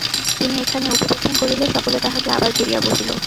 তিনি এখানে উপবেশন করিলে সকলে তাঁহাকে আবার ঘিরিয়া বসিল।